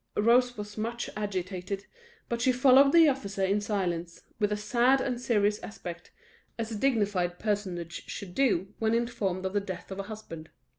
Rose was much agitated, but she followed the officer in silence, with a sad and serious aspect, as a dignified personage should do when informed of the death of a husband.